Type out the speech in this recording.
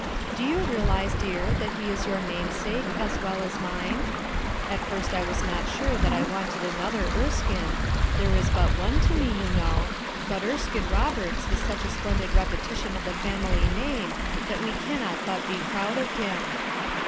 Do y ou realize, dear, that he is your namesake, as well as mine ? At first I was not sure that I wanted another Erskine, — there is but one to me, you know, — but Erskine Roberts is such a splendid repetition of the family name that we cannot but be proud of him."